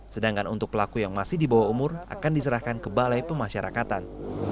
sedangkan untuk pelaku yang masih di bawah umur akan diserahkan ke balai pemasyarakatan